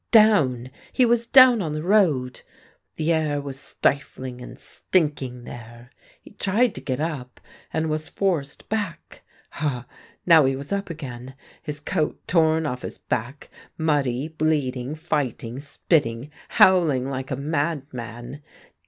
Down ! He was down on the road. The air was stifling and stinking there. He tried to get up, and was forced back. Ah ! now he was up again, his coat torn off his back, muddy, bleeding, fighting, spitting, howling like a madman.